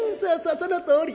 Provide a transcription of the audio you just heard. そのとおり」。